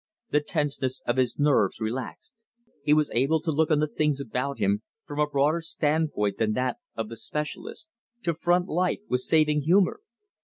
The tenseness of his nerves relaxed. He was able to look on the things about him from a broader standpoint than that of the specialist, to front life with saving humor.